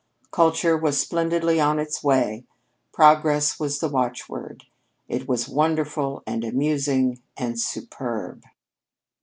Culture was splendidly on its way progress was the watchword! It was wonderful and amusing and superb.